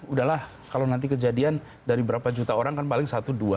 udahlah kalau nanti kejadian dari berapa juta orang kan paling satu dua